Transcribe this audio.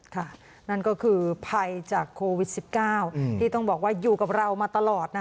นั่นก็คือภัยจากโควิด๑๙ที่ต้องบอกว่าอยู่กับเรามาตลอดนะคะ